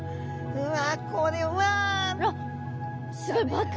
うわ